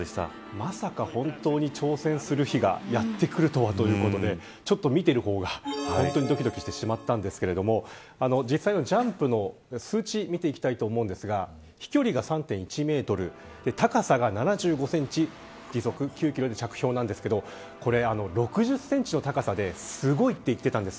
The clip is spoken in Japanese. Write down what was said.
まさか本当に挑戦する日がやってくるとはということでちょっと見ている方がどきどきしてしまったんですけれども実際のジャンプの数値を見ていきたいと思うんですが飛距離が３．１メートル高さが７５センチ時速９キロで着氷なんですけど６０センチの高さですごいと言っていたんです。